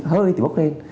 hơi thì bốc lên